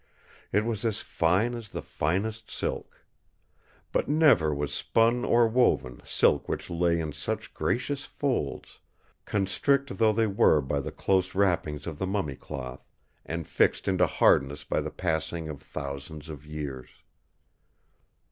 It was as fine as the finest silk. But never was spun or woven silk which lay in such gracious folds, constrict though they were by the close wrappings of the mummy cloth, and fixed into hardness by the passing of thousands of years.